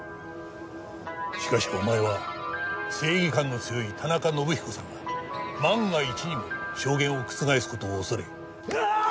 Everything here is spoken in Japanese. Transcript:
しかしお前は正義感の強い田中伸彦さんが万が一にも証言を覆す事を恐れ。